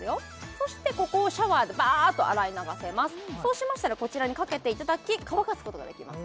そしてここをシャワーでバーっと洗い流せますそうしましたらこちらにかけていただき乾かすことができます